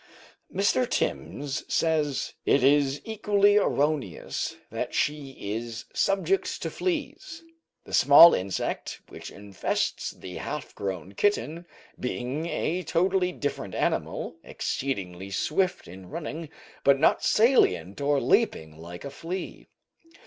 Mr. Timbs says: "It is equally erroneous that she is subject to fleas; the small insect, which infests the half grown kitten, being a totally different animal, exceedingly swift in running, but not salient or leaping like a flea."